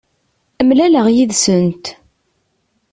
Mlaleɣ yid-sent.